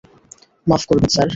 মাফ করবেন স্যার।